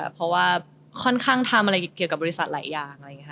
เพราะว่าชอบทำอะไรเกี่ยวกับบริษัทหลายอย่าง